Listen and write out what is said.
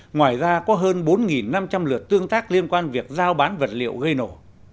ngoài ra có hơn bốn năm trăm linh lượt tương tác liên quan việc giao bán vật liệu gây nổ